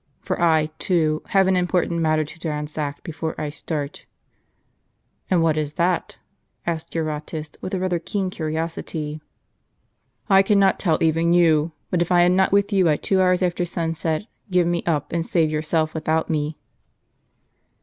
For I, too, have an important matter to transact before I start." "And what is that?" asked Eurotas, with a rather keen curiosity. " I cannot tell even you. But if I am not with you by two hours after sunset, give me up, and save yourself with out me."